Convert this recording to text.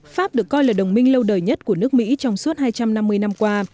pháp được coi là đồng minh lâu đời nhất của nước mỹ trong suốt hai trăm năm mươi năm qua